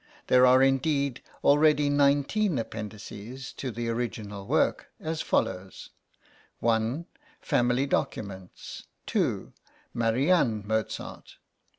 There are indeed already nineteen Appendixes to the original work, as follows i. Family documents. 2. Marianne Mozart.